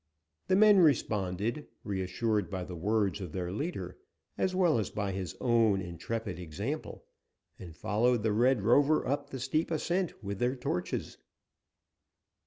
The men responded, reassured by the word of their leader, as well as by his own intrepid example, and followed the Red Rover up the steep ascent with their torches.